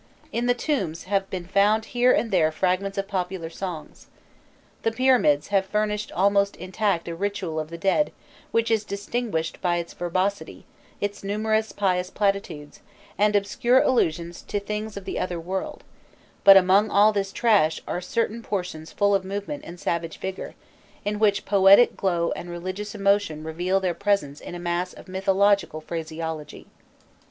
In the tombs have been found here and there fragments of popular songs. The pyramids have furnished almost intact a ritual of the dead which is distinguished by its verbosity, its numerous pious platitudes, and obscure allusions to things of the other world; but, among all this trash, are certain portions full of movement and savage vigour, in which poetic glow and religious emotion reveal their presence in a mass of mythological phraseology.